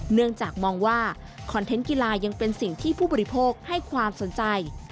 เนื่องจากมองว่าคอนเทนต์กีฬายังเป็นสิ่งที่ผู้บริโภคให้ความสนใจ